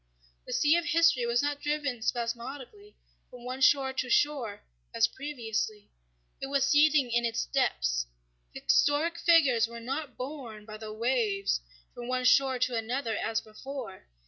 The sea of history was not driven spasmodically from shore to shore as previously. It was seething in its depths. Historic figures were not borne by the waves from one shore to another as before.